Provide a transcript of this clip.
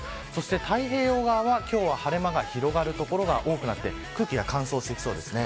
太平洋側は、今日は晴れ間が広がる所が多くなって空気が乾燥してきそうです。